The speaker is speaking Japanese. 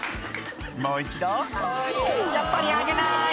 もう一度「やっぱりあげなーい」